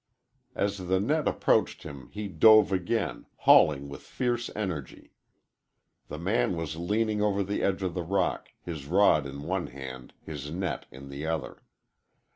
As the net approached him he dove again, hauling with fierce energy. The man was leaning over the edge of the rock, his rod in one hand, his net in the other.